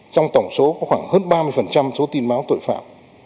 trong tổng số có khoảng hơn ba mươi số tin báo tội phạm